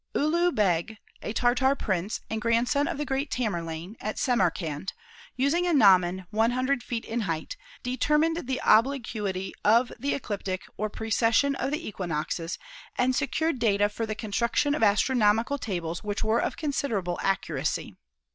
Ulugh Begh, a Tartar prince and grandson of the great Tamerlane, at Samarkand, using a gnomon 100 feet in height, determined the obliquity of the ecliptic or precession of the equinoxes, and secured data for the construction of astronomical tables which were of considerable accuracy.